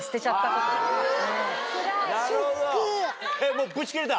もうぶちキレた？